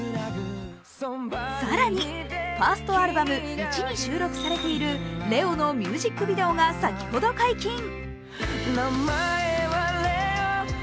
更に、ファーストアルバム「壱」に収録されている「レオ」のミュージックビデオが先ほど解禁。